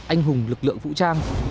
anh hùng lực lượng vũ trang